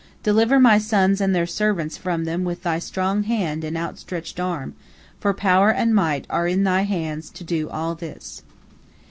Deliver my sons and their servants from them with Thy strong hand and outstretched arm, for power and might are in Thy hands to do all this."